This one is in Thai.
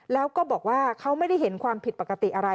แล้วก็บอกว่าเขาไม่ได้เห็นความผิดปกติอะไร